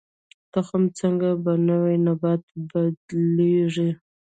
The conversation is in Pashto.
تخم څنګه په نوي نبات بدلیږي؟